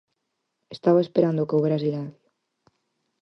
Estaba esperando que houbera silencio.